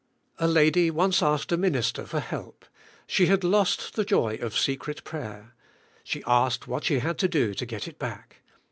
A lady once asked a minister for help. She had lost the joy of secret prayer. She asked what she had to do to get it back.